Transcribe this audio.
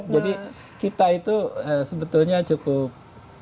kita itu sebetulnya cukup